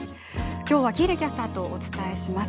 今日は喜入キャスターと、お伝えします。